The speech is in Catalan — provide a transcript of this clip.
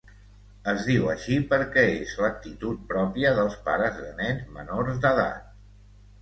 Es diu així perquè és l'actitud pròpia dels pares de nens menors d'edat.